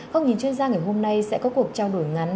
các nghìn chuyên gia ngày hôm nay sẽ có cuộc trao đổi ngắn